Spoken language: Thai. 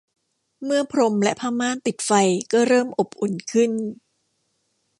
เมื่อพรมและผ้าม่านติดไฟก็เริ่มอบอุ่นขึ้น